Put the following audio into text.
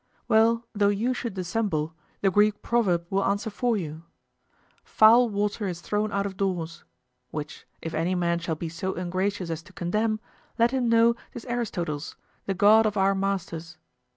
Well, though you should dissemble, the Greek proverb will answer for you, "Foul water is thrown out of doors;" which, if any man shall be so ungracious as to condemn, let him know 'tis Aristotle's, the god of our masters.